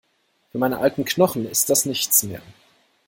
Für meine alten Knochen ist das nichts mehr.